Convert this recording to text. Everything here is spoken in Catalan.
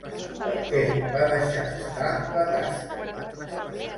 Per què va deixar estar la tasca?